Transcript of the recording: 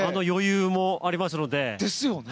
余裕もありますので。